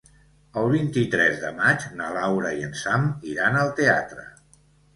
El vint-i-tres de maig na Laura i en Sam iran al teatre.